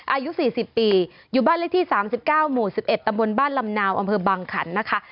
อายุ๔๐ปีอยู่บ้านเลขที่๓๙หมู่๑๑ตำบลบ้านลำนาวอำเภอบังขันนะคะ